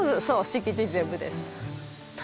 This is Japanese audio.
敷地全部です。